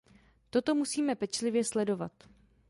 Toto musíme pečlivě sledovat.